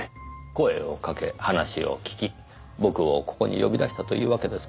声をかけ話を聞き僕をここに呼び出したというわけですか。